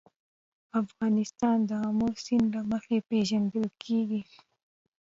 افغانستان د آمو سیند له مخې پېژندل کېږي.